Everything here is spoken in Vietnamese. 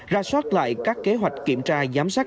ra soát lại các kế hoạch kiểm tra giám sát